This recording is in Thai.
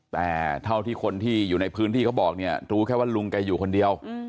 แต่เท่าที่คนที่อยู่ในพื้นที่เขาบอกเนี่ยรู้แค่ว่าลุงแกอยู่คนเดียว